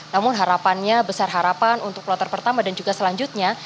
namun harapannya besar harapan untuk kloter pertama dan juga selanjutnya